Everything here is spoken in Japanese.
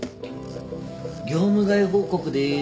業務外報告です。